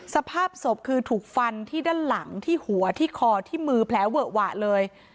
สภาพศพคือถูกฟันที่ด้านหลังที่หัวที่คอที่มือแผลเวอะหวะเลย